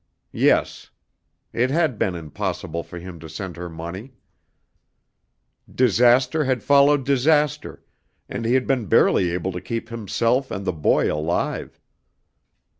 Yes. It had been impossible for him to send her money. Disaster had followed disaster and he had been barely able to keep himself and the boy alive.